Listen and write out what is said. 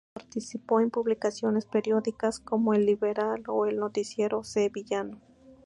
Participó en publicaciones periódicas como "El Liberal" o "El Noticiero Sevillano".